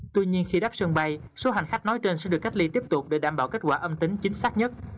tuy nhiên khi đắp sân bay số hành khách nói trên sẽ được cách ly tiếp tục để đảm bảo kết quả âm tính chính xác nhất